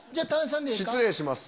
じゃ、失礼します。